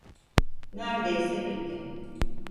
Nerdeyse bitti.